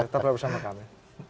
tetap bersama kami